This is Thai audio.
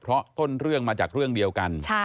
เพราะต้นเรื่องมาจากเรื่องเดียวกัน